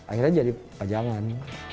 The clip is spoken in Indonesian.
akhirnya jadi pajangan